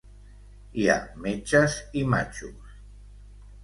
Hi ha metges i matxos.